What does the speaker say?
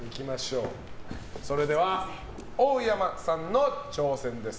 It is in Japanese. それでは、大山さんの挑戦です。